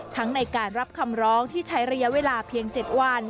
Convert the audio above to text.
ในการรับคำร้องที่ใช้ระยะเวลาเพียง๗วัน